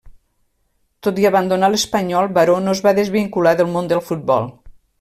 Tot i abandonar l'Espanyol, Baró no es va desvincular del món del futbol.